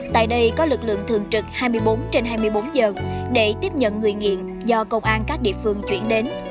tại đây có lực lượng thường trực hai mươi bốn trên hai mươi bốn giờ để tiếp nhận người nghiện do công an các địa phương chuyển đến